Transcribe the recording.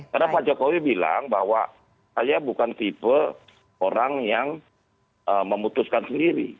karena pak jokowi bilang bahwa saya bukan tipe orang yang memutuskan sendiri